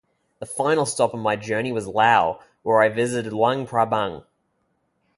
The final stop on my journey was Laos, where I visited Luang Prabang.